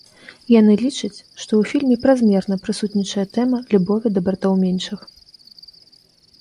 Яны лічаць, што ў фільме празмерна прысутнічае тэма любові да братоў меншых.